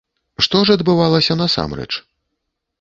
Што ж адбывалася насамрэч?